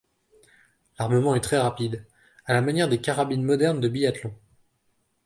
L'armement est très rapide, à la manière des carabines modernes de biathlon.